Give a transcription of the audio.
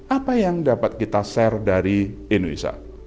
apa yang dapat kita share dari indonesia